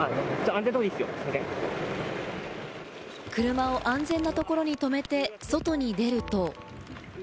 車を安全なところに停めて外に出ると。